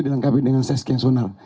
dilengkapi dengan sesken sunar